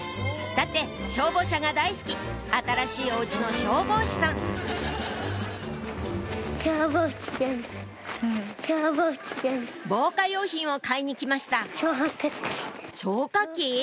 だって消防車が大好き新しいお家の消防士さん防火用品を買いに来ました消火器？